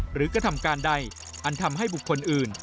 กระทำการใดอันทำให้บุคคลอื่น